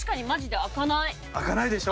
開かないでしょ